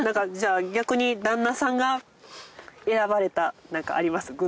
じゃあ逆に旦那さんが選ばれた何かあります？